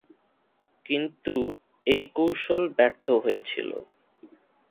কিন্তু, এই কৌশল ব্যর্থ হয়েছিল।